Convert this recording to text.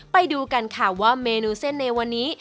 ไปดูกันค่ะว่าเมนูเส้นในวันนี้